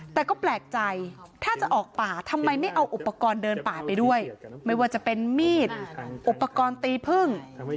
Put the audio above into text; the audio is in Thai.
แต่ก็แปลกใจถ้าจะออกป่าทำไมไม่เอาอุปกรณ์เดินป่าไปด้วยไม่ว่าจะเป็นมีดอุปกรณ์ตีพึ่ง